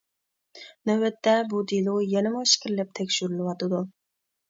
نۆۋەتتە، بۇ دېلو يەنىمۇ ئىچكىرىلەپ تەكشۈرۈلۈۋاتىدۇ.